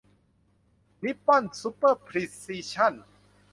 นิปปอนซุปเปอร์พรีซิชั่น